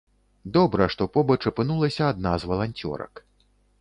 Добра, што побач апынулася адна з валанцёрак.